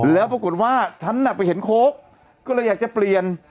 แล้วปรากฏว่าฉันน่ะไปเห็นโค้กก็เลยอยากจะเปลี่ยน